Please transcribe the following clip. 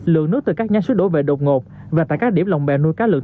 lượng nước từ các nhánh xuất đổ về đột ngột và tại các điểm lồng bè nuôi cá lượng